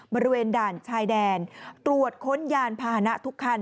บริเวณด่านชายแดนตรวจค้นยานพาหนะทุกคัน